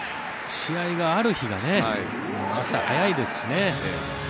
試合がある日が朝早いですしね。